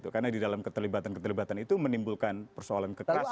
karena di dalam keterlibatan keterlibatan itu menimbulkan persoalan kekerasan